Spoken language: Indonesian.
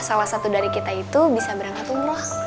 salah satu dari kita itu bisa berangkat umroh